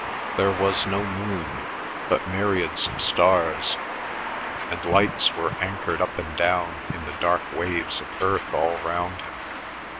There was no moon, but myriads of stars, and lights were anchored up and down in the dark waves of earth all round him.